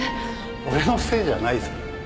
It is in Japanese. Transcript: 俺のせいじゃないぞ